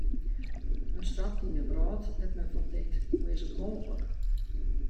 Men stapt yn in wrâld dêr't men fan tinkt: hoe is it mooglik.